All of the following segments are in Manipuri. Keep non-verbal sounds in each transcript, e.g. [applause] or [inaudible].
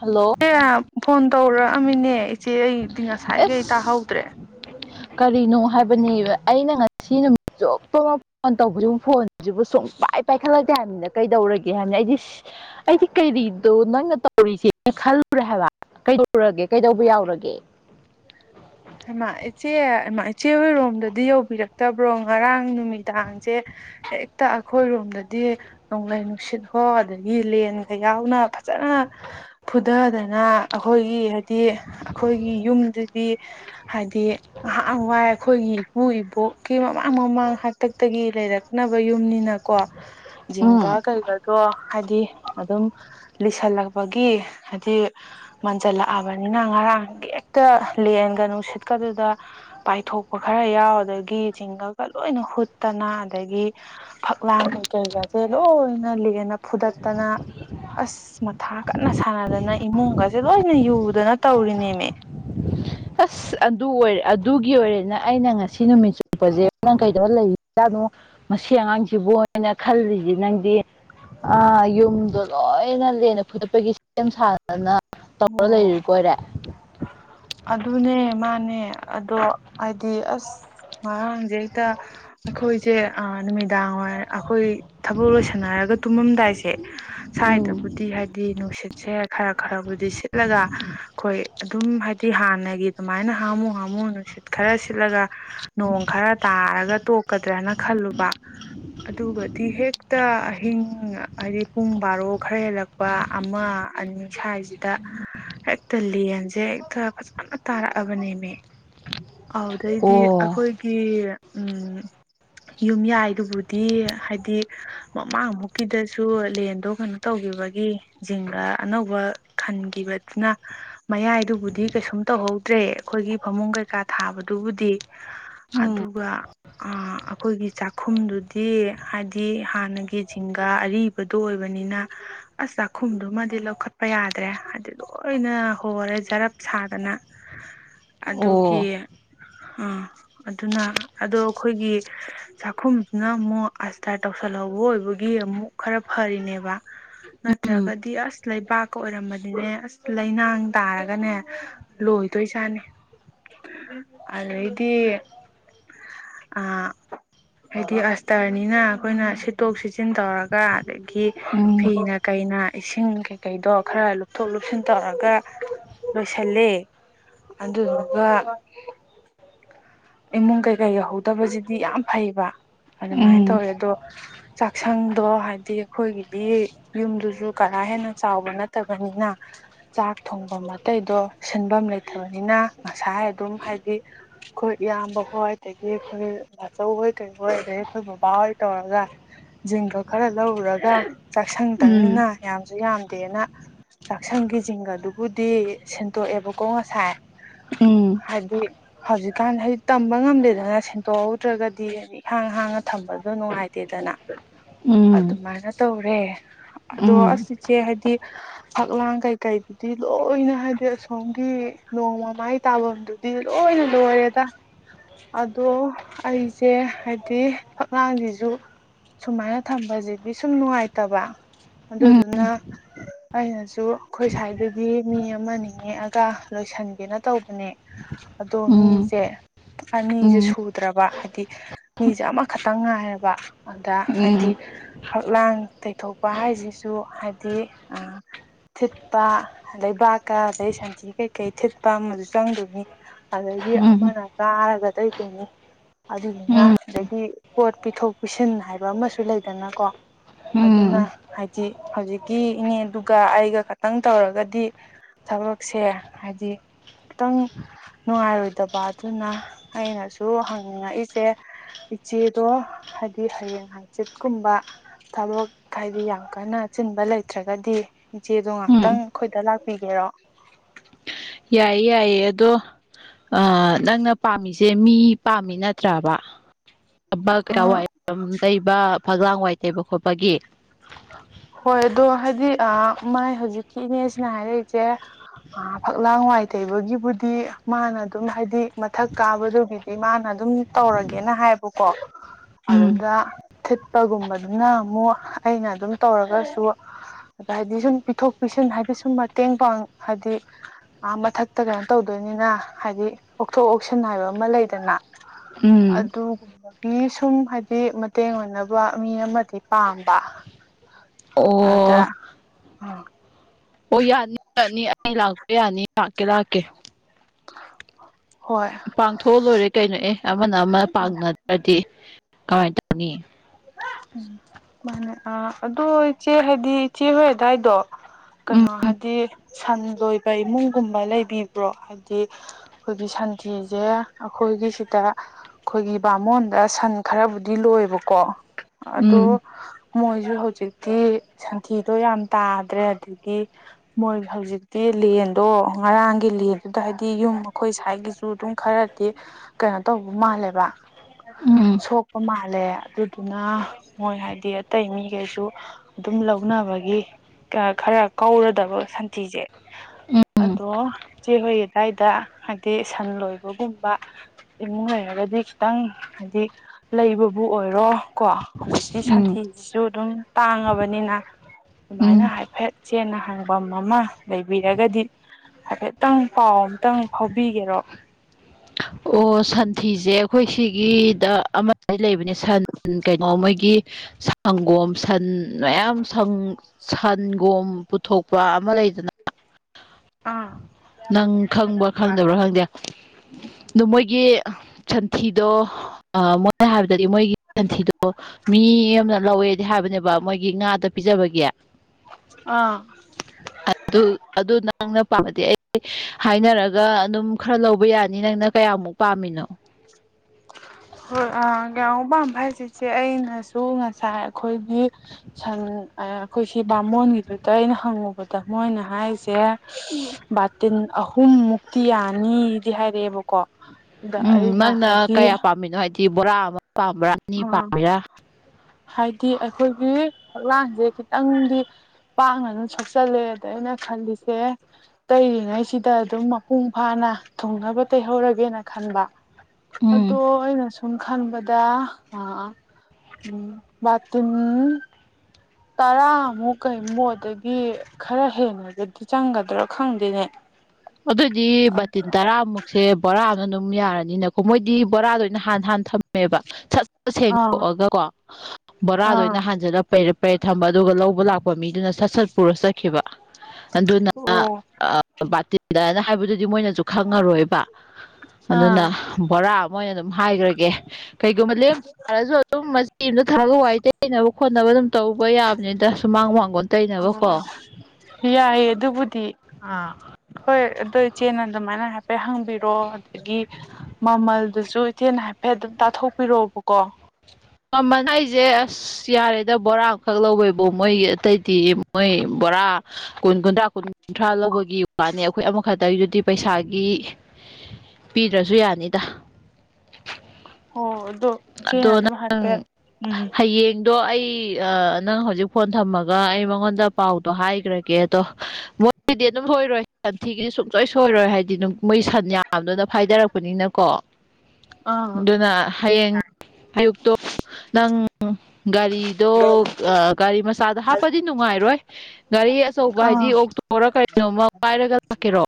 ꯍꯜꯂꯣ ꯐꯣꯟ ꯇꯧꯔꯛꯑꯃꯤꯅꯦ ꯏꯆꯦ ꯑꯩꯗꯤ ꯉꯁꯥꯏꯈꯩ ꯑꯦꯁ ꯇꯥꯍꯧꯗ꯭ꯔꯦ ꯀꯔꯤꯅꯣ ꯍꯥꯏꯕꯅꯦ ꯑꯩꯅ ꯉꯁꯤ ꯅꯨꯃꯤꯠ ꯐꯣꯟ ꯇꯧꯕꯁꯤꯕꯨ ꯐꯣꯟꯁꯤꯕꯨ ꯁꯨꯡ ꯄꯥꯏ ꯄꯥꯏꯈꯠꯂꯛꯇꯦ ꯍꯥꯏꯕꯅꯤꯅ ꯀꯩꯗꯧꯔꯒꯦ ꯍꯥꯏꯕꯅꯤ ꯑꯩꯗꯤ ꯑꯩꯗꯤ ꯀꯩꯔꯤꯗꯣ ꯅꯪꯅ ꯇꯧꯔꯤꯁꯦ ꯈꯜꯂꯨꯔꯦ ꯍꯥꯏꯕ ꯀꯩꯗꯧꯔꯒꯦ ꯀꯩꯗꯧꯕ ꯌꯥꯎꯔꯒꯦ ꯑꯣ ꯎ ꯏꯃꯥ ꯏꯆꯦ ꯏꯃꯥ ꯏꯆꯦ ꯍꯣꯏꯔꯣꯝꯗꯗꯤ ꯌꯧꯕꯤꯔꯛꯇꯕ꯭ꯔꯣ ꯉꯔꯥꯡ ꯅꯨꯃꯤꯗꯥꯡꯁꯦ ꯍꯦꯛꯇ ꯑꯩꯈꯣꯏꯔꯣꯝꯗꯗꯤ ꯅꯣꯡꯂꯩ ꯅꯨꯡꯁꯤꯠ ꯍꯣ ꯑꯗꯒꯤ ꯂꯦꯟꯒꯩ ꯌꯥꯎꯅ ꯐꯖꯅ ꯐꯨꯗꯗꯅ ꯑꯩꯈꯣꯏꯒꯤ ꯍꯥꯏꯗꯤ ꯑꯩꯈꯣꯏꯒꯤ ꯌꯨꯝꯗ ꯗꯤ ꯍꯥꯏꯗꯤ ꯉꯍꯥꯛ ꯋꯥꯏ ꯑꯩꯈꯣꯏꯒꯤ ꯏꯄꯨ ꯏꯕꯣꯛꯀꯤ ꯃꯃꯥꯡ ꯃꯃꯥꯡ ꯍꯥꯛꯇꯛꯇꯒꯤ ꯂꯩꯔꯛꯅꯕ ꯌꯨꯝꯅꯤꯅ ꯀꯣ ꯖꯤꯡꯒꯥ ꯎꯝ ꯀꯩꯒꯗꯣ ꯍꯥꯏꯗꯤ ꯑꯗꯨꯝ ꯂꯤꯁꯜꯂꯛꯄꯒꯤ ꯍꯥꯏꯗꯤ ꯃꯟꯁꯤꯜꯂꯛꯑꯕꯅꯤꯅ ꯉꯔꯥꯡ ꯍꯦꯛꯇ ꯂꯦꯟꯒꯅꯨ ꯁꯤꯠꯀꯗꯨꯗ ꯄꯥꯏꯊꯣꯛꯄ ꯈꯔ ꯌꯥꯎ ꯑꯗꯒꯤ ꯆꯤꯡꯒꯒ ꯂꯣꯏꯅ ꯍꯨꯠꯇꯅ ꯑꯗꯒꯤ ꯐꯛꯂꯥꯡ ꯀꯩ ꯀꯩꯀꯥꯁꯦ ꯂꯣꯏꯅ ꯂꯦꯅ ꯐꯨꯗꯠꯇꯅ ꯑꯁ ꯃꯊꯥ ꯀꯟꯅ ꯁꯥꯟꯅꯗꯅ ꯏꯃꯨꯡꯒꯁꯦ ꯂꯣꯏꯅ ꯌꯨꯗꯅ ꯇꯧꯔꯤꯅꯦꯃꯦ ꯑꯁ ꯑꯗꯨ ꯑꯣꯏꯔ ꯑꯗꯨꯒꯤ ꯑꯣꯏꯔꯦꯅ ꯑꯩꯅ ꯉꯁꯤ ꯅꯨꯃꯤꯠ ꯆꯨꯞꯄꯁꯦ ꯅ ꯅꯪ ꯀꯩꯗꯧ ꯂꯩꯔꯤꯖꯥꯠꯅꯣ ꯃꯁꯤ ꯑꯉꯥꯡꯁꯤꯕꯨꯅ ꯈꯜꯂꯤꯁꯤ ꯅꯪꯗꯤ ꯑꯥ ꯌꯨꯝꯗꯣ ꯂꯣꯏꯅ ꯂꯦꯅ ꯐꯨꯗꯠꯄꯒꯤ ꯁꯦꯝ ꯁꯥꯟꯅꯅ ꯇꯧꯔ ꯑꯣ ꯂꯩꯔꯤ ꯀꯣꯏꯔꯦ ꯑꯗꯨꯅꯦ ꯃꯥꯅꯦ ꯑꯗꯣ ꯍꯥꯏꯗꯤ ꯑꯁꯥꯡ ꯍꯧꯖꯤꯛꯇ ꯑꯩꯈꯣꯏꯁꯦ ꯅꯨꯃꯤꯗꯥꯡ ꯋꯥꯏꯔ ꯑꯩꯈꯣꯏ ꯊꯕꯛ ꯂꯣꯏꯁꯟꯅꯔꯒ ꯇꯨꯝꯃꯝꯗꯥꯏꯁꯦ ꯁꯥꯏꯗꯕꯨ ꯎꯝ ꯍꯥꯏꯗꯤ ꯅꯨꯡꯁꯤꯠꯁꯦ ꯈꯔ ꯈꯔꯕꯨꯗꯤ ꯁꯤꯠꯂꯒ ꯑꯩꯈꯣꯏ ꯑꯗꯨꯝ ꯍꯥꯏꯗꯤ ꯍꯥꯟꯅꯒꯤ ꯑꯗꯨꯃꯥꯏꯅ ꯍꯥꯝꯃꯨ ꯍꯥꯝꯃꯨ ꯅꯨꯡꯁꯤꯠ ꯈꯔ ꯁꯤꯠꯂꯒ ꯅꯣꯡ ꯈꯔ ꯇꯥꯔꯒ ꯇꯥꯔꯛꯀꯗ꯭ꯔꯅ ꯈꯜꯂꯨꯕ ꯑꯗꯨꯒꯗꯤ ꯍꯦꯛꯇ ꯑꯍꯤꯡ ꯍꯥꯏꯗꯤ ꯄꯨꯡ ꯕꯥꯔꯣ ꯈꯔ ꯍꯦꯜꯂꯛꯄ ꯂꯨꯄꯥ ꯑꯃ ꯑꯅꯤ ꯁ꯭ꯋꯥꯏꯁꯦ ꯍꯦꯛꯇ ꯂꯦꯟꯁꯦ ꯍꯦꯛꯇ ꯐꯖꯅ ꯇꯥꯔꯛꯑꯕꯅꯦꯃꯤ ꯑꯗꯩꯗꯤ ꯑꯣ ꯑꯩꯈꯣꯏꯒꯤ ꯎꯝ ꯌꯨꯝ ꯌꯥꯏꯗꯨꯕꯨꯗꯤ ꯍꯥꯏꯗꯤ ꯃꯃꯥꯡꯃꯨꯛꯀꯤꯗꯁꯨ ꯂꯦꯟꯗꯣ ꯀꯩꯅꯣ ꯇꯧꯈꯤꯕꯒꯤ ꯖꯤꯡꯒ ꯑꯅꯧꯕ ꯈꯟꯈꯤꯕꯗꯨꯅ ꯃꯌꯥꯏꯗꯨꯕꯨꯗꯤ ꯀꯩꯁꯨꯝ ꯇꯧꯍꯧꯗ꯭ꯔꯦ ꯑꯩꯈꯣꯏꯒꯤ ꯐꯃꯨꯡ ꯀꯩꯀꯥ ꯊꯥꯕꯗꯨꯕꯨꯗꯤ ꯎꯝ ꯑꯣ ꯎꯝ ꯎꯝ ꯎꯝ ꯎꯝ ꯎꯝ ꯎꯝ ꯎꯝ ꯎꯝ ꯎꯝ ꯎꯝ ꯎꯝ ꯑꯗꯨꯒ ꯑꯥ ꯑꯩꯈꯣꯏꯒꯤ ꯆꯥꯛꯈꯨꯝꯗꯨꯗꯤ ꯍꯥꯏꯗꯤ ꯍꯥꯟꯅꯒꯤ ꯖꯤꯡꯒꯥ ꯑꯔꯤꯕ ꯕꯗꯣ ꯑꯣꯏꯕꯅꯤꯅ ꯑꯁ ꯆꯥꯛꯈꯨꯝꯗꯨꯃꯗꯤ ꯂꯧꯈꯠꯄ ꯌꯥꯗꯦ ꯇ꯭ꯔꯦ ꯑꯗꯨꯒ ꯂꯣꯏꯅ ꯍꯣꯔꯦ ꯖꯔꯞ ꯁꯥꯗꯅ ꯑꯗꯨꯒꯤ ꯎꯝ ꯑꯗꯨꯅ ꯑꯗꯣ ꯑꯩꯈꯣꯏꯒꯤ ꯆꯥꯛꯈꯨꯝꯁꯤꯅ ꯑꯃꯨꯛ ꯑꯁꯇꯔ ꯇꯧꯁꯜꯍꯧꯕ ꯑꯣꯏꯕꯒꯤ ꯑꯃꯨꯛ ꯈꯔ ꯐꯔꯤꯅꯦꯕ ꯅꯠꯇ꯭ꯔꯒꯗꯤ ꯑꯁ ꯂꯩꯕꯥꯛ ꯑꯣꯏꯔꯝꯃꯗꯤꯅꯦ ꯑꯁ ꯂꯩꯅꯥꯡ ꯇꯥꯔꯒꯅꯦ ꯂꯣꯏꯗꯣꯏꯁꯥꯅꯤ ꯑ ꯗꯩꯗꯤ ꯍꯥꯏꯗꯤ ꯑꯁꯇ꯭ꯔꯅꯤꯅ ꯑꯩꯈꯣꯏꯅ ꯁꯤꯠꯇꯣꯛ ꯁꯤꯠꯆꯟ ꯇꯧꯔꯒ ꯑꯗꯒꯤ ꯐꯤꯅ ꯀꯩꯅ ꯏꯁꯤꯡ ꯀꯩꯀꯩꯗꯣ ꯈꯔ ꯂꯨꯞꯊꯣꯛ ꯂꯨꯞꯁꯤꯟ ꯇꯧꯔꯒ ꯂꯣꯏꯁꯤꯜꯂꯦ ꯑꯗꯨꯗꯨꯒ ꯏꯃꯨꯡ ꯀꯩꯀꯩ ꯌꯧꯍꯧꯗꯕꯁꯤꯗꯤ ꯌꯥꯝ ꯐꯩꯕ ꯑꯗꯨꯃꯥꯏꯅ ꯇꯧꯋꯦ ꯑꯗꯣ ꯆꯥꯛꯁꯪꯗꯣ ꯍꯥꯏꯕꯗꯤ ꯑꯩꯈꯣꯏꯒꯤꯗꯤ ꯌꯨꯝꯗꯨꯁꯨ ꯀꯔꯥ ꯍꯦꯟꯅ ꯆꯥꯎꯕ ꯅꯠꯇꯕꯅꯤꯅ ꯆꯥꯛ ꯊꯣꯡꯕ ꯑꯩꯗꯣ ꯁꯤꯟꯐꯝ ꯂꯩꯇꯕꯅꯤꯅ ꯉꯁꯥꯏ ꯑꯗꯨꯝ ꯍꯥꯏꯗꯤ ꯈꯣꯏ ꯏꯌꯥꯝꯕ ꯍꯣꯏ ꯑꯗꯒꯤ ꯑꯩꯈꯣꯏ ꯕꯥꯆꯧ ꯍꯣꯏ ꯀꯩꯍꯣꯏ ꯑꯗꯒꯤ ꯑꯩꯈꯣꯏ ꯕꯕꯥ ꯍꯣꯏ ꯇꯧꯔꯒ ꯖꯤꯡꯒ ꯈꯔ ꯂꯧꯔꯨꯔꯒ ꯆꯥꯛꯁꯪ ꯇꯪꯅꯤꯅ ꯌꯥꯝꯁꯨ ꯌꯥꯝꯗꯦꯅ ꯆꯥꯛꯁꯪꯒꯤ ꯖꯤꯡꯒ ꯑꯗꯨꯕꯨꯗꯤ ꯁꯦꯟꯇꯣꯛꯑꯦꯕꯀꯣ ꯉꯁꯥꯏ ꯍꯥꯏꯗꯤ ꯍꯧꯖꯤꯛꯀꯥꯟ ꯍꯥꯏꯗꯤ ꯇꯝꯕ ꯉꯝꯗꯦꯗꯅ ꯁꯦꯡꯇꯣꯛꯍꯧꯗ꯭ꯔꯒꯗꯤ ꯏꯍꯥꯡ ꯍꯥꯡꯅ ꯊꯝꯕꯗꯣ ꯅꯨꯡꯉꯥꯏꯇꯦꯗꯅ ꯑꯗꯨꯃꯥꯏꯅ ꯇꯧꯔꯦ ꯑꯗꯣ ꯑꯁ ꯆꯤꯆꯦ ꯍꯥꯏꯗꯤ ꯐꯛꯂꯥꯡ ꯀꯩꯀꯩꯗꯨꯗꯤ ꯂꯣꯏꯅ ꯍꯥꯏꯗꯤ ꯑꯁꯣꯝꯒꯤ ꯅꯣꯡꯃꯃꯥꯏ ꯇꯥꯐꯝꯗꯨ ꯂꯣꯢꯅ ꯂꯣꯏꯔꯦꯗ [inaudible] ꯑꯗꯣ ꯑꯩꯁꯦ ꯍꯥꯏꯗꯤ ꯐꯛꯂꯥꯡꯁꯤꯁꯨ ꯁꯨꯃꯥꯏꯅ ꯊꯝꯕꯁꯤꯗꯤ ꯁꯨꯝ ꯅꯨꯡꯉꯥꯏꯇꯕ ꯑꯗꯨꯗꯨꯅ ꯑꯩꯅꯁꯨ ꯑꯩꯈꯣꯏ ꯁ꯭ꯋꯥꯏꯗꯒꯤ ꯃꯤ ꯑꯃ ꯑꯅꯤ ꯅꯦꯛꯑꯒ ꯂꯣꯏꯁꯤꯟꯒꯦꯅ ꯇꯧꯕꯅꯦ ꯑꯗꯣ ꯃꯤ ꯁꯦ ꯃꯤꯁꯦ ꯁꯨꯗ꯭ꯔꯕ ꯍꯥꯏꯗꯤ ꯃꯤꯁꯦ ꯑꯃꯈꯛꯇꯪ ꯉꯥꯏꯔꯕ ꯑꯗ ꯍꯥꯏꯗꯤ ꯎꯝ ꯐꯛꯂꯥꯡ ꯇꯩꯊꯣꯛꯄ ꯍꯥꯏꯁꯤꯁꯨ ꯍꯥꯏꯗꯤ ꯊꯤꯠꯄ ꯂꯩꯕꯥꯛꯀ ꯑꯗꯩ ꯁꯟꯊꯤ ꯀꯩꯀꯩ ꯊꯤꯠꯄ ꯑꯃꯁꯨ ꯆꯪꯗꯣꯏꯅꯤ ꯑꯗꯨꯗꯒꯤ ꯑꯃꯅ ꯀꯥꯔꯒ ꯇꯩꯗꯣꯢꯅꯤ ꯑꯗꯨꯗꯨꯅ ꯎꯝ ꯑꯗꯒꯤ ꯄꯣꯠ ꯄꯤꯊꯣꯛ ꯄꯤꯁꯤꯟ ꯍꯥꯏꯕ ꯑꯃꯁꯨ ꯂꯩꯗꯅꯀꯣ ꯑꯗꯨꯅ ꯎꯝ ꯍꯥꯏꯗꯤ ꯍꯧꯖꯤꯛꯀꯤ ꯏꯅꯦꯗꯨꯒ ꯑꯩꯒ ꯈꯇꯪ ꯇꯧꯔꯒꯗꯤ ꯊꯕꯛꯁꯦ ꯍꯥꯏꯗꯤ ꯈꯤꯇꯪ ꯅꯨꯡꯉꯥꯏꯔꯣꯏꯗꯕ ꯑꯗꯨꯅ ꯑꯩꯅꯁꯨ ꯍꯪꯅꯤꯡꯉꯛꯏꯁꯦ ꯏꯆꯦꯗꯣ ꯍꯥꯏꯗꯤ ꯍꯌꯦꯡ ꯍꯪꯆꯤꯠꯀꯨꯝꯕ ꯊꯕꯛ ꯍꯥꯏꯗꯤ ꯌꯥꯝ ꯀꯟꯅ ꯑꯆꯤꯟꯕ ꯂꯩꯇ꯭ꯔꯒꯗꯤ ꯏꯆꯦꯗꯣ ꯉꯥꯛꯇꯪ ꯎꯝ ꯑꯩꯈꯣꯏꯗ ꯂꯥꯛꯄꯤꯒꯦꯔꯣ ꯌꯥꯏꯌꯦ ꯌꯥꯏꯌꯦ ꯑꯗꯣ ꯅꯪꯅ ꯄꯥꯝꯃꯤꯁꯦ ꯃꯤ ꯄꯥꯝꯃꯤ ꯅꯠꯇ꯭ꯔꯕ ꯂꯩꯕꯥꯛ ꯀꯩꯀꯥ ꯋꯥꯏ ꯇꯩꯕ ꯐꯛꯂꯥꯡ ꯋꯥꯏ ꯇꯩꯕ ꯈꯣꯠꯄꯒꯤ ꯍꯣꯏ ꯑꯗꯣ ꯍꯥꯏꯗꯤ ꯃꯥꯏ ꯍꯧꯖꯤꯛꯀꯤ ꯏꯅꯦꯁꯤꯅ ꯍꯥꯏꯔꯛꯏꯁꯦ ꯑ ꯐꯛꯂꯥꯡ ꯋꯥꯏ ꯇꯩꯕꯒꯤꯕꯨꯗꯤ ꯃꯥꯅ ꯑꯗꯨꯝ ꯍꯥꯏꯗꯤ ꯃꯊꯛ ꯀꯥꯕꯗꯨꯒꯤꯗꯤ ꯃꯥꯅ ꯑꯗꯨꯝ ꯇꯧꯔꯒꯦꯅ ꯍꯥꯏꯌꯦꯕꯀꯣ ꯎꯝ ꯑꯗꯨꯗ ꯊꯤꯠꯄꯒꯨꯝꯕꯗꯨꯅ ꯑꯃꯨꯛ ꯑꯩꯅ ꯑꯗꯨꯝ ꯇꯧꯔꯒꯁꯨ ꯑꯗ ꯍꯥꯏꯗꯤ ꯁꯨꯝ ꯄꯤꯊꯣꯛꯄꯤꯁꯤꯟ ꯍꯥꯏꯕꯗꯤ ꯁꯨꯝ ꯃꯇꯦꯡ ꯄꯥꯡ ꯍꯥꯏꯗꯤ ꯑ ꯃꯊꯛꯇ ꯀꯩꯅꯣ ꯇꯧꯗꯣꯏꯅꯤꯅ ꯍꯥꯏꯗꯤ ꯑꯣꯛꯊꯣꯛ ꯑꯣꯛꯁꯤꯟ ꯍꯥꯏꯕ ꯑꯃ ꯂꯩꯗꯅ ꯎꯝ ꯑꯗꯨꯒꯨꯝꯕꯒꯤ ꯁꯨꯝ ꯍꯥꯏꯗꯤ ꯃꯇꯦꯡ ꯑꯣꯏꯅꯕ ꯃꯤ ꯑꯃꯗꯤ ꯄꯥꯝꯃꯦ ꯑꯗ ꯑꯣ ꯎꯝ ꯑꯣ ꯌꯥꯅꯤ ꯌꯥꯅꯤ ꯑꯩ ꯂꯥꯛꯄ ꯌꯥꯅꯤ ꯂꯥꯛꯀꯦ ꯂꯥꯛꯀꯦ ꯍꯣꯏ ꯄꯥꯡꯊꯣꯛꯑ ꯂꯣꯏꯔꯦ ꯀꯩꯅꯣ ꯑꯦ ꯑꯃꯅ ꯑꯃ ꯄꯥꯡꯅꯗ꯭ꯔꯗꯤ ꯀꯃꯥꯏꯅ ꯇꯧꯅꯤ ꯎꯝ ꯃꯥꯅꯦ ꯑ ꯑꯗꯣ ꯏꯆꯦ ꯍꯥꯏꯗꯤ ꯏꯆꯦ ꯍꯣꯏ ꯑꯗꯨꯗꯥꯋꯥꯏꯗꯣ ꯎꯝ ꯀꯩꯅꯣ ꯍꯥꯏꯗꯤ ꯁꯟ ꯂꯣꯏꯕ ꯏꯃꯨꯡꯒꯨꯝꯕ ꯂꯩꯕꯤꯕ꯭ꯔꯣ ꯍꯥꯏꯗꯤ ꯑꯩꯈꯣꯏꯒꯤ ꯁꯟꯊꯤꯁꯦ ꯑꯩꯈꯣꯏꯒꯤꯁꯤꯗ ꯑꯩꯈꯣꯏꯒꯤ ꯕꯥꯃꯣꯟꯗ ꯁꯟ ꯈꯔꯕꯨꯗꯤ ꯂꯣꯏꯕꯀꯣ ꯑꯗꯣ ꯎꯝ ꯃꯣꯏꯁꯨ ꯍꯧꯖꯤꯛꯇꯤ ꯁꯟꯊꯤꯗꯣ ꯌꯥꯝ ꯇꯥꯗ꯭ꯔꯦ ꯑꯗꯒꯤ ꯃꯣꯏ ꯍꯧꯖꯤꯛꯇꯤ ꯂꯦꯟꯗꯣ ꯉꯔꯥꯡꯒꯤ ꯂꯦꯟꯗꯨꯗ ꯍꯥꯏꯗꯤ ꯌꯨꯝ ꯑꯩꯈꯣꯏ ꯁꯥꯏꯒꯤꯁꯨ ꯑꯗꯨꯝ ꯈꯔꯗꯤ ꯀꯩꯅꯣ ꯇꯧꯕ ꯃꯥꯜꯂꯦꯕ ꯎꯝ ꯁꯣꯛꯄ ꯃꯥꯜꯂꯦ ꯑꯗꯨꯗꯨꯅ ꯃꯣꯏ ꯍꯥꯏꯗꯤ ꯑꯇꯩ ꯃꯤꯈꯩꯁꯨ ꯑꯗꯨꯝ ꯂꯧꯅꯕꯒꯤ ꯈꯔ ꯀꯧꯔꯗꯕ ꯁꯟꯊꯤꯁꯦ ꯎꯝ ꯑꯗꯣ ꯆꯦ ꯍꯣꯏ ꯑꯗꯨꯋꯥꯏꯗ ꯍꯥꯏꯗꯤ ꯁꯟ ꯂꯣꯏꯕꯒꯨꯝꯕ ꯏꯃꯨꯡ ꯂꯩꯔꯒꯗꯤ ꯈꯤꯇꯪ ꯍꯥꯏꯗꯤ ꯂꯩꯕꯕꯨ ꯑꯣꯏꯔꯣ ꯀꯣ ꯍꯧꯖꯤꯛꯇꯤ ꯎꯝ ꯁꯟꯊꯤꯁꯤꯁꯨ ꯑꯗꯨꯝ ꯇꯥꯡꯉꯕꯅꯤꯅ ꯎꯝ ꯑꯗꯨꯃꯥꯏꯅ ꯍꯥꯏꯐꯦꯠ ꯆꯦꯟꯅ ꯍꯥꯡꯐꯝ ꯑꯃ ꯂꯩꯕꯤꯔꯒꯗꯤ ꯍꯥꯏꯐꯦꯠꯇꯪ ꯄꯥꯎ ꯑꯝꯇꯪ ꯐꯥꯎꯕꯤꯒꯦꯔꯣ ꯑꯣ ꯁꯟꯊꯤꯁꯦ ꯑꯩꯈꯣꯏ ꯁꯤꯒꯤꯗ ꯑꯃ ꯂꯩꯕꯅꯦ ꯁꯟ ꯀꯩꯅꯣ ꯃꯣꯏꯒꯤ ꯁꯥ ꯁꯪꯒꯣꯝ ꯁꯟ ꯃꯌꯥꯝ ꯁꯟꯒꯣꯝ ꯄꯨꯊꯣꯛꯄ ꯑꯃ ꯂꯩꯗꯅ ꯑꯥ ꯅꯪ ꯈꯪꯕ꯭ꯔ ꯈꯪꯗꯕ꯭ꯔꯥ ꯈꯪꯗꯦ ꯑꯗꯨ ꯃꯣꯏꯒꯤ ꯁꯟꯊꯤꯗꯣ ꯑ ꯃꯣꯏꯅ ꯍꯥꯏꯕꯗꯗꯤ ꯃꯣꯏꯒꯤ ꯁꯟꯊꯤꯗꯣ ꯃꯤ ꯑꯃꯅ ꯂꯧꯋꯦꯗꯤ ꯍꯥꯏꯕꯅꯦ ꯃꯣꯏꯒꯤ ꯉꯥꯗ ꯄꯤꯖꯕꯒꯤ ꯑꯥ ꯑꯗꯨ ꯑꯗꯨ ꯅꯪꯅ ꯄꯥꯝꯝꯕꯗꯤ ꯑꯩ ꯍꯥꯏꯅꯔꯒ ꯑꯗꯨꯝ ꯈꯔ ꯂꯧꯕ ꯌꯥꯅꯤ ꯅꯪꯅ ꯀꯌꯥꯃꯨꯛ ꯄꯥꯝꯃꯤꯅꯣ ꯍꯣꯏ ꯑ ꯀꯌꯥꯃꯨꯛ ꯄꯥꯝꯕ ꯍꯥꯏꯁꯦ ꯆꯦ ꯑꯩꯅꯁꯨ ꯉꯁꯥꯏ ꯑꯩꯈꯣꯏꯒꯤ ꯁꯟ ꯑꯩꯈꯣꯏ ꯁꯤ ꯕꯥꯃꯣꯟꯒꯤꯗꯨꯗ ꯑꯩꯅ ꯍꯪꯉꯨꯕꯗ ꯃꯣꯏꯅ ꯍꯥꯏꯔꯤꯁꯦ ꯕꯥꯇꯤꯟ ꯑꯍꯨꯝ ꯃꯨꯛꯇꯤ ꯌꯥꯅꯤꯗꯤ ꯍꯥꯏꯔꯛꯑꯦꯕꯀꯣ ꯑꯗ ꯎꯝ ꯑꯩꯅ ꯍꯥꯏ ꯅꯪꯅ ꯀꯌꯥ ꯄꯥꯝꯃꯤꯅꯣ ꯍꯥꯏꯗꯤ ꯕꯣꯔꯥ ꯑꯃ ꯄꯥꯝꯕ꯭ꯔꯥ ꯑꯅꯤ ꯎ ꯄꯥꯝꯃꯤꯔꯥ ꯍꯥꯏꯗꯤ ꯑꯩꯈꯣꯏꯒꯤ ꯐꯛꯂꯥꯡꯁꯦ ꯈꯤꯇꯪꯗꯤ ꯄꯥꯛꯅꯅ ꯁꯣꯛꯆꯜꯂꯦ ꯑꯗ ꯑꯩꯅ ꯈꯜꯂꯤꯁꯦ ꯇꯩꯔꯤꯉꯩꯁꯤꯗ ꯑꯗꯨꯝ ꯃꯄꯨꯡ ꯐꯥꯅ ꯊꯨꯡꯅꯕ ꯇꯩꯍꯧꯔꯒꯦꯅ ꯈꯟꯕ ꯑꯗꯣ ꯎꯝ ꯑꯩꯅ ꯁꯨꯝ ꯈꯟꯕꯗ ꯑꯥ ꯎꯝ ꯇꯔꯥꯃꯨꯛ ꯀꯩꯃꯣꯗꯒꯤ ꯈꯔ ꯍꯦꯟꯅꯒꯗꯤ ꯆꯪꯒꯗ꯭ꯔ ꯈꯪꯗꯦꯅꯦ ꯑꯥ ꯑꯗꯨꯗꯗꯤꯕ ꯇꯤꯟ ꯇꯔꯥꯃ ꯁꯦ ꯕꯣꯔꯥ ꯑꯃ ꯑꯗꯨꯝ ꯌꯥꯔꯅꯤꯅꯀꯣ ꯃꯣꯏꯗꯤ ꯕꯣꯔꯥꯗ ꯑꯩꯅ ꯍꯥꯟ ꯍꯥꯟꯅ ꯊꯝꯃꯦꯕ ꯁꯦꯡꯗꯣꯛꯑꯒ ꯀꯣ ꯑꯥ ꯕꯣꯔꯥꯗꯩꯅ ꯍꯥꯟꯖꯂ ꯄꯩꯔ ꯄꯔꯦꯠ ꯊꯝꯕ ꯑꯗꯨꯒ ꯂꯧꯕ ꯂꯥꯛꯄ ꯃꯤꯗꯨꯅ ꯁꯠ ꯁꯠ ꯄꯨꯔ ꯆꯠꯈꯤꯕ ꯑꯗꯨꯅ ꯑꯣ ꯁꯤꯗꯅ ꯍꯥꯏꯕꯗꯨꯗꯤ ꯃꯣꯏꯅꯁꯨ ꯈꯪꯉꯔꯣꯏꯕ ꯑꯥ ꯑꯗꯨꯅ ꯕꯣꯔꯥ ꯑꯃ ꯑꯣꯏꯅ ꯑꯗꯨꯝ ꯍꯥꯏꯈ꯭ꯔꯒꯦ ꯀꯩꯒꯨꯝꯕ ꯌꯥꯔꯁꯨ ꯑꯗꯨꯝ ꯃꯆꯦ ꯑꯃꯗ ꯊꯔꯒ ꯋꯥꯏ ꯇꯩꯅꯕ ꯈꯣꯠꯅꯕ ꯑꯗꯨꯝ ꯇꯧꯕ ꯌꯥꯕꯅꯤꯗ ꯁꯨꯃꯥꯡ ꯃꯥꯡꯒꯣꯟ ꯑꯣ ꯇꯩꯅꯕꯀꯣ ꯌꯥꯏꯌꯦ ꯑꯗꯨꯕꯨꯗꯤ ꯑꯥ ꯍꯣꯏ ꯑꯗꯣ ꯏꯆꯦꯅ ꯑꯗꯨꯃꯥꯏꯅ ꯍꯥꯏꯐꯦꯠ ꯍꯪꯕꯤꯔꯣ ꯑꯗꯒꯤ ꯃꯃꯜꯗꯨꯁꯨ ꯏꯊꯦꯅ ꯍꯥꯏꯐꯦꯠꯝ ꯇꯥꯊꯣꯛꯄꯤꯔꯛꯑꯣꯕꯀꯣ ꯃꯃꯜ ꯑꯩꯁꯦ ꯑꯁ ꯌꯥꯔꯦꯗ ꯕꯣꯔꯥ ꯑꯃꯈꯛ ꯂꯧꯕꯦꯕꯨ ꯃꯣꯏꯒꯤ ꯑꯇꯩꯗꯤ ꯃꯣꯏ ꯕꯣꯔꯥ ꯀꯨꯟ ꯀꯨꯟꯊ꯭ꯔꯥ ꯀꯨꯟ ꯀꯨꯟꯊ꯭ꯔꯥ ꯂꯧꯕꯒꯤ ꯄꯥꯅꯦ ꯑꯈꯣꯏ ꯑꯃꯈꯛꯇꯒꯤꯗꯨꯗꯤ ꯄꯩꯁꯥꯒꯤ ꯄꯤꯗ꯭ꯔꯁꯨ ꯌꯥꯅꯤꯗ ꯍꯣ ꯑꯗꯣ ꯏꯆꯦꯅ ꯑꯗꯨꯝ ꯍꯥꯏꯐꯦꯠ ꯎꯝ ꯑꯗꯣ ꯍꯌꯦꯡꯗꯣ ꯑꯩ ꯑ ꯅꯪ ꯍꯧꯖꯤꯛ ꯐꯣꯟ ꯊꯝꯃꯒ ꯑꯩ ꯃꯉꯣꯟꯗ ꯄꯥꯎꯗꯣ ꯍꯥꯏꯒ꯭ꯔꯒꯦ ꯑꯗꯣ ꯃꯣꯏꯗꯣ ꯁꯤꯗꯤ ꯑꯗꯨꯝ ꯁꯣꯏꯔꯣꯏ ꯁꯟꯊꯤꯒꯤꯗꯤ ꯁꯨꯡꯁꯣꯏ ꯁꯣꯏꯔꯣꯏ ꯍꯥꯏꯗꯤ ꯑꯗꯨꯝ ꯃꯣꯏ ꯁꯟ ꯌꯥꯝꯗꯨꯅ ꯐꯥꯏꯗꯔꯛꯄꯅꯤꯅ ꯀꯣ ꯑꯥ ꯑꯗꯨꯅ ꯍꯌꯦꯡ ꯑꯌꯨꯛꯇꯣ ꯅꯪ ꯒꯥꯔꯤꯗꯣ ꯒꯥꯔꯤ ꯆꯥꯗ ꯍꯥꯞꯄꯗꯤ ꯅꯨꯡꯉꯥꯏꯔꯣꯏ ꯒꯥꯔꯤ ꯑꯆꯧꯕ ꯍꯥꯏꯗꯤ ꯑꯥ ꯑꯣꯛꯇꯣꯔ ꯀꯩꯅꯣꯝꯃ ꯄꯥꯏꯔꯒ ꯂꯥꯛꯀꯦꯔꯣ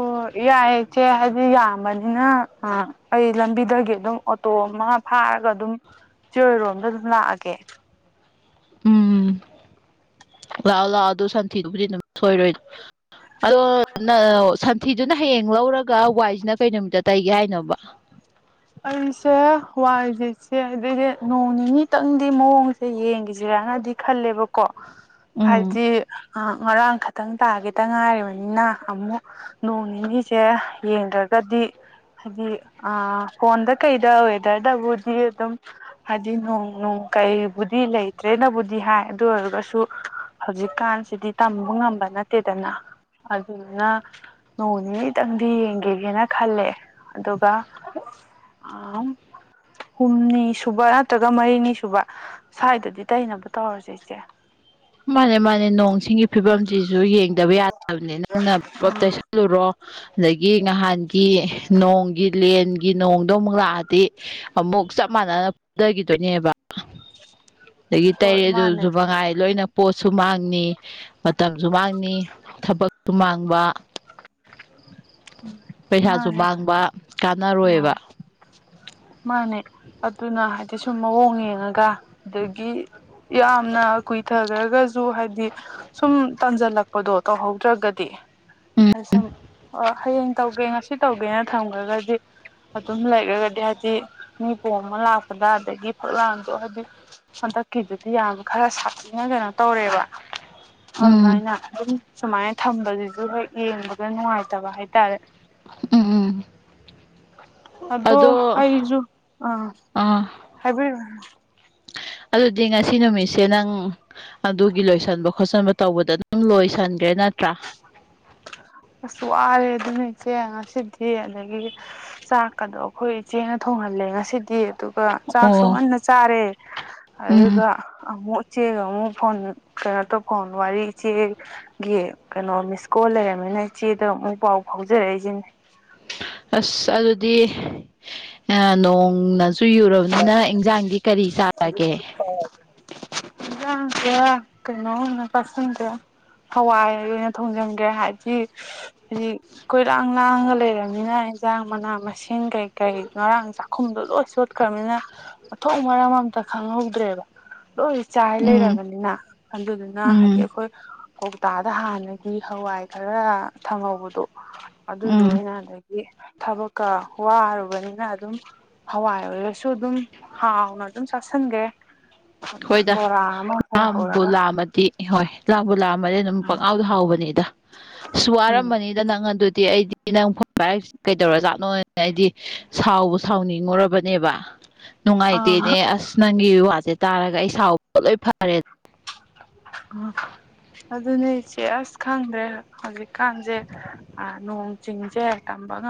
ꯑꯣ ꯌꯥꯏꯌꯦ ꯆꯦ ꯍꯥꯏꯗꯤ ꯌꯥꯝꯕꯅꯤꯅ ꯑ ꯑꯩ ꯂꯝꯕꯤꯗꯒꯤ ꯑꯗꯨꯝ ꯑꯣꯇꯣ ꯃꯥ ꯐꯥꯔꯒ ꯑꯗꯨꯝ ꯆꯦ ꯍꯣꯏꯔꯣꯝꯗ ꯑꯗꯨꯝ ꯂꯥꯛꯑꯒꯦ ꯎꯝ ꯂꯥꯛꯑꯣ ꯂꯥꯛꯑꯣ ꯑꯗꯨ ꯁꯟꯊꯤꯗꯨꯕꯨꯗꯤ ꯑꯗꯨꯝ ꯁꯣꯏꯔꯣꯏ ꯑꯗꯣ ꯅꯧ ꯁꯟ ꯊꯤꯗꯨꯅ ꯍꯌꯦꯡ ꯂꯧꯔꯒ ꯋꯥꯏꯁꯤꯅ ꯀꯩ ꯅꯨꯃꯤꯠꯇ ꯇꯩꯒꯦ ꯍꯥꯏꯅꯣꯕ ꯑꯩꯁꯦ ꯋꯥꯏꯁꯦ ꯆꯦ ꯑꯗꯨꯗꯤ ꯅꯣꯡ ꯅꯤꯅꯤꯇꯪꯗꯤ ꯃꯑꯣꯡ ꯁꯤ ꯌꯦꯡꯒꯤꯖꯤꯔꯥꯅꯗꯤ ꯈꯜꯂꯦꯕꯀꯣ ꯎꯝ ꯍꯥꯏꯕꯗꯤ ꯑ ꯉꯔꯥꯡ ꯈꯇꯪ ꯇꯥꯒꯤꯗ ꯉꯥꯏꯔꯤꯕꯅꯤꯅ ꯑꯃꯨꯛ ꯅꯣꯡ ꯅꯤꯅꯤꯁꯦ ꯌꯦꯡꯗ꯭ꯔꯒꯗꯤ ꯍꯥꯏꯗꯤ ꯑ ꯐꯣꯟꯗ ꯀꯩꯗ ꯋꯦꯗꯔꯗꯕꯨꯗꯤ ꯑꯗꯨꯝ ꯍꯥꯏꯗꯤ ꯅꯣꯡ ꯅꯨꯡ ꯀꯩꯕꯨꯗꯤ ꯂꯩꯇ꯭ꯔꯦꯅꯕꯨꯗꯤ ꯍꯥꯏ ꯑꯗꯨ ꯑꯣꯏꯔꯒꯁꯨ ꯍꯧꯖꯤꯛꯀꯥꯟꯁꯤꯗꯤ ꯇꯝꯕ ꯉꯝꯕ ꯅꯠꯇꯦꯗꯅ ꯑꯗꯨꯗꯨꯅ ꯅꯣꯡꯅꯤꯅꯤ ꯗꯪꯗꯤ ꯌꯦꯡꯒꯤꯒꯦꯅ ꯈꯜꯂꯦ ꯑꯗꯨꯒ ꯑꯥꯎꯟ ꯍꯨꯝꯅꯤ ꯁꯨꯕ ꯅꯠꯇ꯭ꯔꯒ ꯃꯔꯤꯅꯤ ꯁꯨꯕ ꯁꯥꯏꯗꯗꯤ ꯇꯩꯅꯕ ꯇꯧꯔꯖꯦ ꯏꯆꯦ ꯃꯥꯅꯦ ꯃꯥꯅꯦ ꯅꯣꯡ ꯁꯤꯡꯒꯤ ꯐꯤꯕꯝꯖꯤꯁꯨ ꯌꯦꯡꯗꯕ ꯌꯥꯗꯕꯅꯦ ꯅꯪꯅ ꯄꯨꯂꯞ ꯎꯝ ꯇꯩꯁꯟ ꯂꯨꯔꯣ ꯑꯗꯒꯤ ꯅꯍꯥꯟꯒꯤ ꯅꯣꯡꯒꯤ ꯂꯦꯟꯒꯤ ꯅꯣꯡꯗꯣ ꯑꯃꯨꯛ ꯂꯥꯛꯑ ꯗꯤ ꯑꯃꯨꯛ ꯆꯞ ꯃꯥꯟꯅꯅ ꯄꯨꯗꯒꯤꯗꯣꯏꯅꯦꯕ ꯑꯗꯒꯤ ꯍꯣꯏ ꯇꯩꯔꯦꯖꯨ ꯃꯥꯅꯦ ꯑꯗꯨꯃꯉꯥꯏ ꯂꯣꯏꯅ ꯄꯣꯠꯁꯨ ꯃꯥꯡꯅꯤ ꯃꯇꯝꯖꯨ ꯃꯥꯡꯅꯤ ꯊꯕꯛꯁꯨ ꯃꯥꯡꯕ ꯄꯩꯁꯥꯖꯨ ꯃꯥꯡꯕ ꯑꯥꯎ ꯀꯥꯟꯅꯔꯣꯏꯕ ꯃꯥꯅꯦ ꯑꯗꯨꯅ ꯍꯥꯏꯗꯤ ꯁꯨꯝ ꯃꯑꯣꯡ ꯌꯦꯡꯉꯒ ꯑꯗꯒꯤ ꯌꯥꯝꯅ ꯀꯨꯏꯊꯒ꯭ꯔꯒ ꯖꯨ ꯍꯥꯏꯗꯤ ꯁꯨꯝ ꯇꯟꯖꯜꯂꯛꯄꯗꯣ ꯇꯧꯍꯧꯗ꯭ꯔꯒꯗꯤ ꯎꯝ ꯑꯩ ꯁꯨꯝ ꯑꯣ ꯍꯌꯦꯡ ꯇꯧꯒꯦ ꯉꯁꯤ ꯇꯧꯒꯦꯅ ꯊꯝꯒ꯭ꯔꯒꯗꯤ ꯑꯗꯨꯝ ꯂꯩꯒ꯭ꯔꯒꯗꯤ ꯍꯥꯏꯗꯤ ꯃꯤ ꯄꯣꯡꯕ ꯑꯃ ꯂꯥꯛꯄꯗ ꯑꯗꯒꯤ ꯐꯛꯂꯥꯡꯗꯣ ꯍꯥꯏꯗꯤ ꯍꯟꯗꯛꯀꯤꯖꯤꯗꯤ ꯌꯥꯝ ꯈꯔ ꯁꯥꯊꯤꯅ ꯀꯩꯅꯣ ꯇꯧꯔꯦꯕ ꯎꯝ ꯑꯗꯣꯉꯥꯏꯅ ꯑꯗꯨꯝ ꯁꯨꯃꯥꯏꯅ ꯊꯝꯕꯖꯤꯖꯨ ꯍꯣꯏ ꯌꯦꯡꯕꯗ ꯅꯨꯡꯉꯥꯏꯇꯕ ꯍꯥꯏꯇꯥꯔꯦ ꯎꯝ ꯎꯝ ꯑꯗꯣ ꯑꯩꯖꯨ ꯑꯥ ꯑꯥ ꯍꯥꯏꯕꯤꯔꯣ ꯑꯗꯨꯗꯤ ꯉꯁꯤ ꯅꯨꯃꯤꯠꯁꯦ ꯅꯪ ꯑꯗꯨꯒꯤ ꯂꯣꯏꯁꯟꯕ ꯈꯣꯠꯆꯟꯕ ꯇꯧꯕꯗ ꯅꯪ ꯂꯣꯏꯁꯟꯒꯔꯦ ꯅꯠꯇ꯭ꯔꯥ ꯑꯁ ꯋꯥꯔꯦ ꯑꯗꯨꯅ ꯏꯆꯦ ꯉꯁꯤꯗꯤ ꯑꯗꯒꯤ ꯆꯥꯛꯀꯗꯣ ꯑꯈꯣꯏ ꯏꯆꯦꯅ ꯊꯣꯡꯍꯜꯂꯦ ꯉꯁꯤꯗꯤ ꯑꯗꯨ ꯒ ꯆꯥꯛꯁꯨ ꯑꯣ ꯉꯟꯅ ꯆꯥꯔꯦ ꯎꯝ ꯑꯗꯨꯒ ꯑꯃꯨꯛ ꯏꯆꯦꯒ ꯑꯃꯨꯛ ꯐꯣꯟ ꯀꯩꯅꯣ ꯇꯧ ꯐꯣꯟ ꯋꯥꯔꯤ ꯏꯆꯦꯒꯤ ꯀꯩꯅꯣ ꯃꯤꯁꯀꯣꯜ ꯂꯩꯔꯝꯃꯩꯅ ꯏꯆꯦꯗ ꯑꯃꯨꯛ ꯄꯥꯎ ꯐꯥꯎꯖꯔꯛꯏꯖꯤꯅꯤ ꯑꯁ ꯑꯗꯨꯗꯤ ꯑ ꯅꯣꯡꯅ ꯆꯨ ꯌꯨꯔꯕꯅꯤꯅ ꯏꯟꯖꯥꯡꯗꯤ ꯀꯔꯤ ꯆꯥꯔꯒꯦ ꯏꯟꯖꯥꯡꯖꯦ ꯀꯩꯅꯣ ꯑꯣꯏꯅ ꯄꯁꯟꯒꯦ ꯍꯋꯥꯏ ꯑꯣꯏꯅ ꯊꯣꯡꯖꯤꯟꯒ꯭ꯔꯦ ꯍꯥꯏꯗꯤ ꯍꯧꯖꯤꯛ ꯀꯣꯏꯔꯥꯡ ꯂꯥꯡꯉꯒ ꯂꯩꯔꯕꯅꯤꯅ ꯏꯟꯖꯥꯡ ꯃꯅꯥ ꯃꯁꯤꯡ ꯀꯩꯀꯩ ꯉꯔꯥꯡ ꯆꯥꯛꯈꯨꯝꯗ ꯂꯣꯏ ꯆꯣꯠ ꯈ꯭ꯔꯝꯅꯤꯅ ꯃꯊꯣꯡ ꯃꯔꯝ ꯑꯝꯇ ꯈꯪꯍꯧꯗ꯭ꯔꯦꯕ ꯂꯣꯏ ꯆꯥꯏ ꯎꯝ ꯂꯩꯔꯕꯅꯤꯅ ꯑꯗꯨꯗꯨꯅ ꯍꯥꯏꯗꯤ ꯎꯝ ꯑꯩꯈꯣꯏ ꯍꯞꯇꯥꯗ ꯍꯥꯟꯅꯒꯤ ꯍꯋꯥꯏ ꯈꯔ ꯊꯪꯍꯧꯕꯗꯣ ꯑꯗꯨꯗꯣ ꯎꯝ ꯑꯣꯏꯅ ꯊꯕꯛꯀ ꯋꯥꯔꯨꯕꯅꯤꯅ ꯑꯗꯨꯝ ꯍꯋꯥꯏ ꯑꯣꯏꯔꯁꯨ ꯑꯗꯨꯝ ꯍꯥꯎꯅ ꯑꯗꯨꯝ ꯆꯥꯥꯁꯟꯒ꯭ꯔꯦ ꯍꯣꯏꯗ ꯂꯥꯝꯕꯨ ꯍꯧꯔꯒ ꯂꯥꯝꯃꯗꯤ ꯍꯣꯏ ꯂꯥꯝꯕꯨ ꯂꯥꯛꯑꯝꯃꯅꯤ ꯑꯗꯨꯝ ꯄꯛꯍꯥꯎꯗ ꯍꯥꯎꯕꯅꯤꯗ ꯑꯁ ꯎꯝ ꯋꯥꯔꯝꯃꯅꯤ ꯗ ꯅꯪ ꯑꯗꯨꯗꯤ ꯑꯩꯗꯤ ꯅꯪ ꯐꯣꯟ ꯀꯩꯗꯧꯔꯖꯥꯠꯅꯣꯅ ꯑꯩꯗꯤ ꯁꯥꯎꯕ ꯁꯥꯎꯅꯤꯡꯉꯨꯔꯕꯅꯦꯕ ꯑꯥ ꯅꯨꯡꯉꯥꯏꯇꯦꯅꯦ ꯑꯁ ꯅꯪꯒꯤ ꯋꯥꯖꯦ ꯇꯥꯔꯒ ꯑꯩ ꯁꯥꯎꯕꯒ ꯂꯣꯏ ꯐꯔꯦ ꯑ ꯑꯗꯨꯅꯦ ꯏꯆꯦ ꯑꯁ ꯈꯪꯗ꯭ꯔꯦ ꯍꯧꯖꯤꯛꯀꯥꯟꯖꯦ ꯑ ꯅꯣꯡ ꯆꯤꯡꯖꯦ ꯇꯝꯕ ꯉꯝ